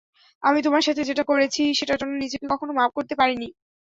আমি তোমার সাথে যেটা করেছি সেটার জন্য নিজেকে কখনও মাফ করতে পারি নি।